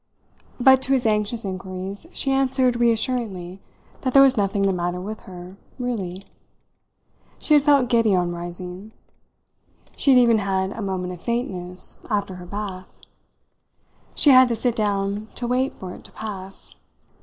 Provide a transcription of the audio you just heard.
But to his anxious inquiries she answered reassuringly that there was nothing the matter with her, really. She had felt giddy on rising. She had even had a moment of faintness, after her bath. She had to sit down to wait for it to pass.